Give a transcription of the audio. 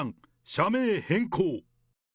社名変更。